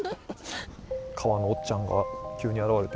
川のおっちゃんが急に現れて。